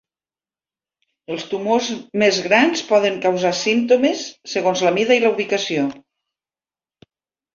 Els tumors més grans poden causar símptomes, segons la mida i la ubicació.